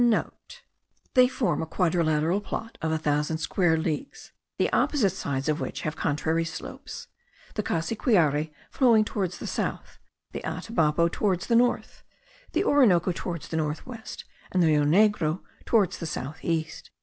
(* They form a quadrilateral plot of a thousand square leagues, the opposite sides of which have contrary slopes, the Cassiquiare flowing towards the south, the Atabapo towards the north, the Orinoco towards the north west, and the Rio Negro towards the south east.)